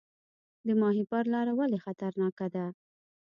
د ماهیپر لاره ولې خطرناکه ده؟